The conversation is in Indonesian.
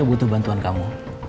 saya butuh bantuan kamu